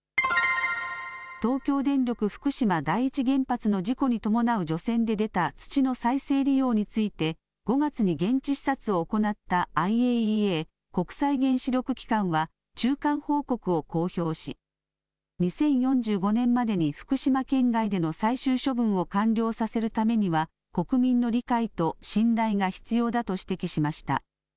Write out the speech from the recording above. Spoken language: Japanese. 東京電力福島第一原発の事故に伴う除染で出た土の再生利用について、５月に現地視察を行ったＩＡＥＡ・国際原子力機関は、中間報告を公表し、２０４５年までに福島県外での最終処分を完了させるためには、国民の理解と信頼が必要だと指摘しました。